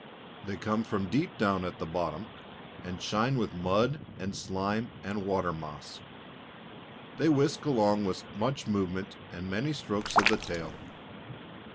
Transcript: They come from deep down at the bottom, and shine with mud and slime and water moss. They whisk along with much movement and many strokes of the tail.